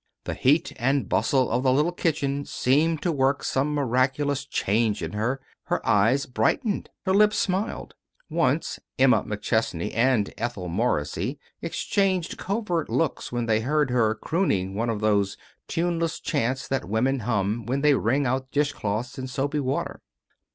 The heat and bustle of the little kitchen seemed to work some miraculous change in her. Her eyes brightened. Her lips smiled. Once, Emma McChesney and Ethel Morrissey exchanged covert looks when they heard her crooning one of those tuneless chants that women hum when they wring out dishcloths in soapy water.